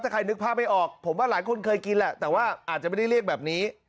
ถ้าใครนึกภาพไม่ออกผมว่าหลายคนเคยกินแหละแต่ว่าอาจจะไม่ได้เรียกแบบนี้